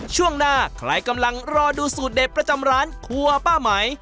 ช่วงหน้าใครกำลังรอดูสูตรเด็ดประจำร้านครัวป้าไหม